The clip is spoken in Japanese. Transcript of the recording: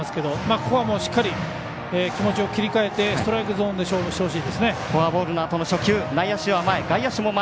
ここはしっかり気持ちを切り替えてストライクゾーンで勝負をしてほしい。